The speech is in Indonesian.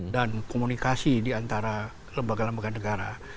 dan komunikasi diantara lembaga lembaga negara